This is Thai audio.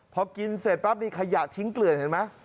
พอกินเสร็จปั๊บนี่ขยะทิ้งเกลื่อนเห็นไหม